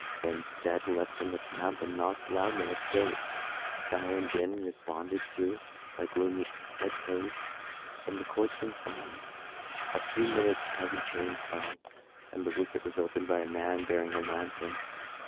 Benstead leapt from the cab, and knocked loudly at the gate. The iron din was responded to by gloomy echoes from the courts inside. In a few minutes heavy chains fell, and the wicket was opened by a man bearing a lantern.